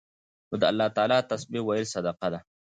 نو د الله تعالی تسبيح ويل صدقه ده